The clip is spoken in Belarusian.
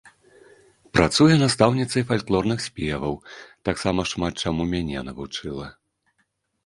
Працуе настаўніцай фальклорных спеваў, таксама шмат чаму мяне навучыла.